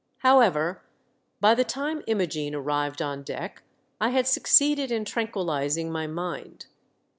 However, by the time Imogene arrived on deck I had succeeded in tranquilising my mind.